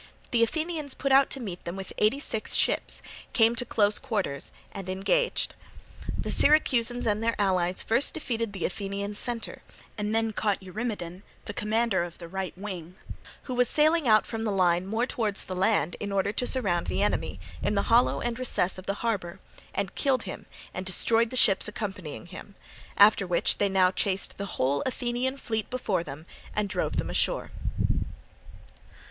The Athenians put out to meet them with eighty six ships, came to close quarters, and engaged. The Syracusans and their allies first defeated the Athenian centre, and then caught Eurymedon, the commander of the right wing, who was sailing out from the line more towards the land in order to surround the enemy, in the hollow and recess of the harbour, and killed him and destroyed the ships accompanying him; after which they now chased the whole Athenian fleet before them and drove them ashore.